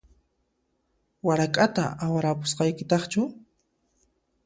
Warak'ata awarapusqaykitaqchu?